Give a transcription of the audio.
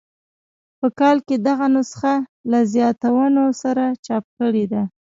په کال کې دغه نسخه له زیاتونو سره چاپ کړې ده.